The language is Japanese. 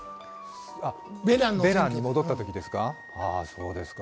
ベナンに戻ったときですか。